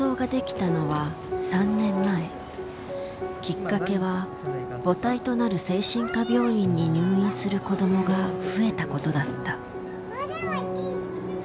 きっかけは母体となる精神科病院に入院する子どもが増えたことだった。